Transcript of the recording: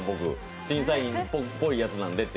審査員っぽいやつなんでって。